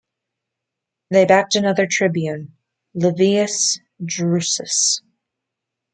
They backed another tribune, Livius Drusus.